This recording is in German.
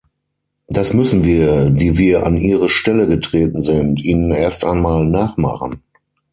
Das müssen wir, die wir an ihre Stelle getreten sind, ihnen erst einmal nachmachen.